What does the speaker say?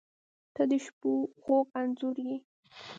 • ته د شپو خوږ انځور یې.